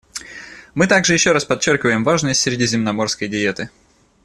Мы также еще раз подчеркиваем важность средиземноморской диеты.